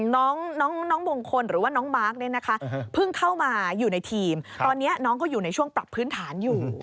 น้องบงคลเพิ่งเข้ามาอยู่ในทีมช่วงปรับพื้นฐานอยู่